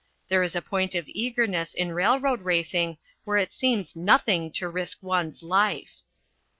There is a point of eagerness in railroad racing where it seems nothing to risk one's life!